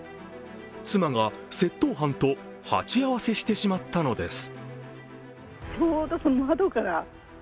妻が窃盗犯と鉢合わせしてしまったのです。